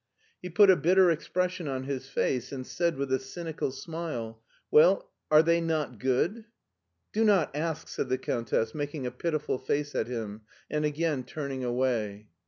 He put a bitter expression on his face and said with a cynical smile : Well, are they not good ?Do not ask," said the Countess, making a pitiful face at him, and again turning away.